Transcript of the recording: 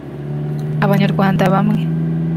Abanyarwanda bamwe